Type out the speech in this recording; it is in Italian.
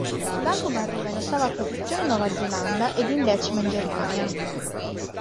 L'album arriva in ottava posizione in Nuova Zelanda ed in decima in Germania.